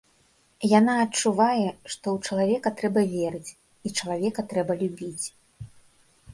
Яна адчувае, што ў чалавека трэба верыць і чалавека трэба любіць.